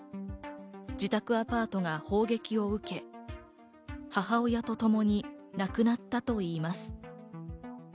自宅アパートが砲撃を受け、母親とともに亡くなったといいます。